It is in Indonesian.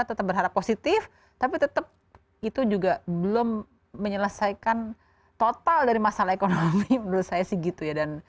tetap berharap positif tapi tetap itu juga belum menyelesaikan total dari masalah ekonomi menurut saya sih gitu ya